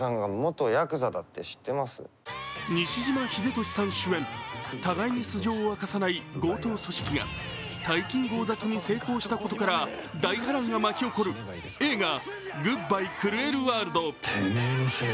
西島秀俊さん主演互いに素性を明かさない強盗組織が大金強奪に成功したことから大波乱が巻き起こる映画「グッバイ・クルエル・ワールド」。